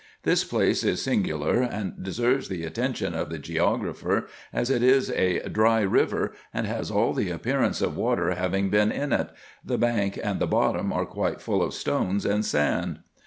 This place is singular, and deserves the attention of the geographer, as it is a dry river, and has all the appearance of water having been in it : the bank and bottom are quite full of stones and sand.